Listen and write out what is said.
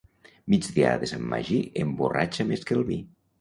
Migdiada de Sant Magí emborratxa més que el vi.